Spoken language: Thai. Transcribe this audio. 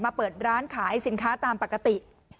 เปิดร้านขายสินค้าตามปกติ